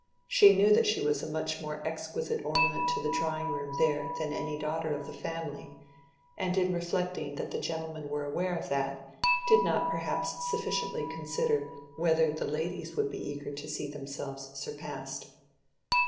She knew that she was a much more exquisite ornament to the drawing room there than any daughter of the family, and in reflecting that the gentlemen were aware of that, did not perhaps sufficiently consider whether the ladies would be eager to see themselves surpassed.